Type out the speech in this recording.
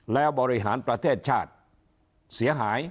แล้วบริหารประเทศชาติเสียหาย